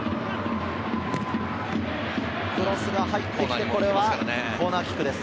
クロスが入ってきて、これはコーナーキックです。